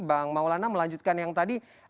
bang maulana melanjutkan yang tadi